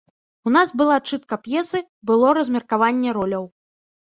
У нас была чытка п'есы, было размеркаванне роляў.